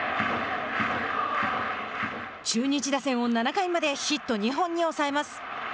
中日打線を７回までヒット２本に抑えます。